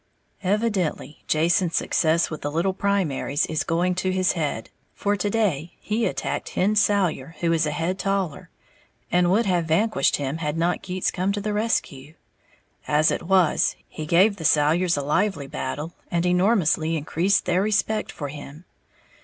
_ Evidently Jason's success with the little primaries is going to his head, for to day he attacked Hen Salyer, who is a head taller, and would have vanquished him had not Keats come to the rescue. As it was, he gave the Salyers a lively battle, and enormously increased their respect for him.